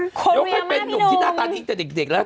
ยกไปเป็นหนุ่มหน้าตายิ่งแต่เด็กแล้ว